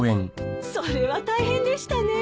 それは大変でしたねえ。